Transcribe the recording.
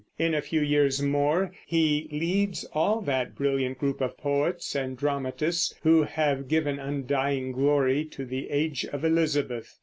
In a few years more he leads all that brilliant group of poets and dramatists who have given undying glory to the Age of Elizabeth.